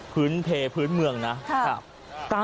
พื้นเพลพื้นเมืองนะ